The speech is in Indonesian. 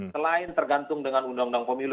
selain tergantung dengan undang undang pemilu